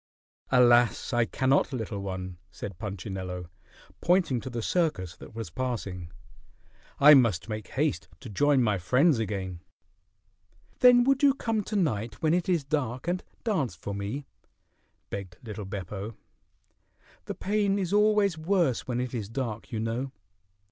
"Alas! I cannot, little one," said Punchinello, pointing to the circus that was passing. "I must make haste to join my friends again." "Then would you come to night when it is dark and dance for me?" begged little Beppo. "The pain is always worse when it is dark, you know."